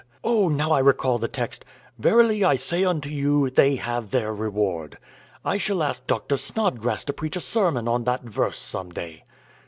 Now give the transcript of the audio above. Oh, now I recall the text, 'Verily I say unto you they have their reward.' I shall ask Doctor Snodgrass to preach a sermon on that verse some day."